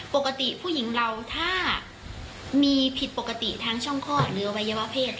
ปกติผู้หญิงเราถ้ามีผิดปกติทางช่องข้อหรืออวัยวะเพศ